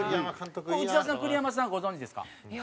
内田さん栗山さんはご存じですか？